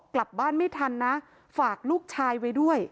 กลับบ้านไม่ทันนะฝากลูกชายไว้ด้วย